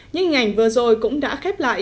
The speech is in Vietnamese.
những hình ảnh vừa rồi cũng đã khép lại